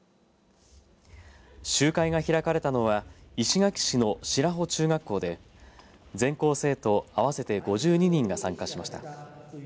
集会が開かれたのは石垣市の白保中学校で全校生徒合わせて５２人が参加しました。